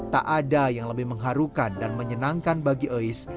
tak ada yang lebih mengharukan dan menyenangkan bagi ois